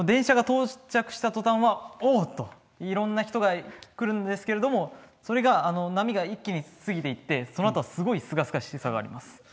電車が到着したとたんは「おお！」っていろんな人が来るんですけどそれが波が一気に過ぎていってそのあとは、すごいすがすがしさがあります。